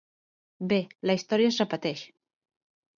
Bé, la història es repeteix.